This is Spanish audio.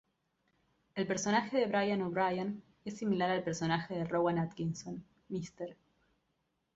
El personaje de Brian O'Brian es similar al personaje de Rowan Atkinson: Mr.